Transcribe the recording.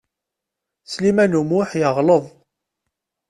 Sliman U Muḥ yeɣleḍ.